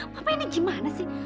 papa ini gimana sih